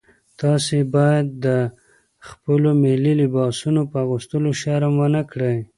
تاسي باید د خپلو ملي لباسونو په اغوستلو شرم ونه کړئ.